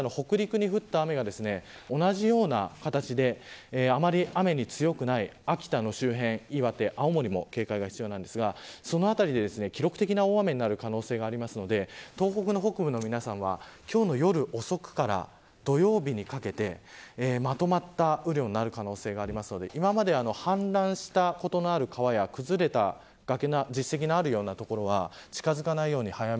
今まで北陸に降った雨が同じような形であまり雨に強くない秋田の周辺岩手、青森も警戒が必要なんですがその辺りで記録的な大雨になる可能性があるので東北の北部の皆さんは今日の夜遅くから土曜日にかけてまとまった雨量になる可能性がありますので今まで氾濫したことのある川や崩れた崖の実績があるような所は近づかないように。